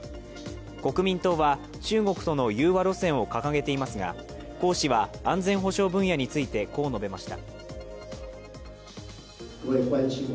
国民党は中国との融和路線を掲げていますが、侯氏は安全保障分野について、こう述べました。